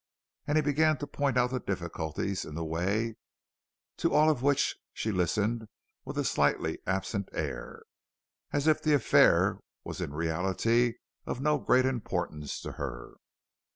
And he began to point out the difficulties in the way, to all of which she listened with a slightly absent air, as if the affair was in reality of no great importance to her.